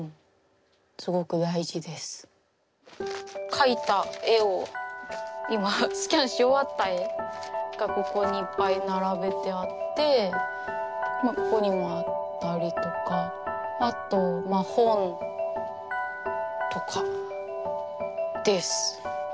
描いた絵を今スキャンし終わった絵がここにいっぱい並べてあってここにもあったりとかあと本とかです。